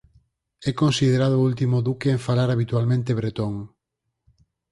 É considerado o último duque en falar habitualmente bretón.